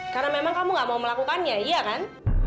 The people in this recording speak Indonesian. karena memang kamu nggak mau melakukannya iya kan